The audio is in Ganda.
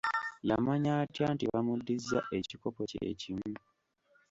Yamanya atya nti bamuddiza ekikopo kye kimu?